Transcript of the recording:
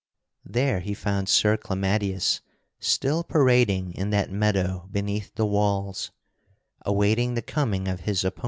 There he found Sir Clamadius still parading in that meadow beneath the walls, awaiting the coming of his opponent.